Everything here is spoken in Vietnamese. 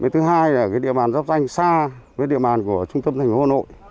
thứ hai là địa bàn giáp danh xa với địa bàn của trung tâm thành phố hồ nội